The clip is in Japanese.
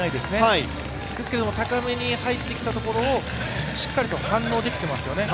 ですけども、高めに入ってきたところをしっかりと反応できていますよね。